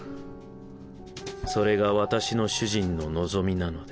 それが私の主人の望みなので。